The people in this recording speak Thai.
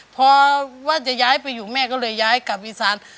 พอว่าจะย้ายไปอยู่แม่ก็เลยย้ายกลับอีสาน